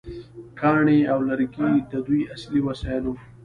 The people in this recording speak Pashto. کاڼي او لرګي د دوی اصلي وسایل وو.